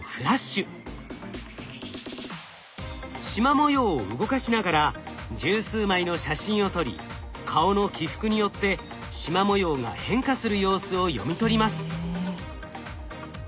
しま模様を動かしながら十数枚の写真を撮り顔の起伏によってしま模様が変化する様子を読み取ります。